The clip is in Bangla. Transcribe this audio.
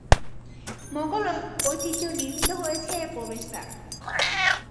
মোঘল ঐতিহ্যে নির্মিত হয়েছে এর প্রবেশদ্বার।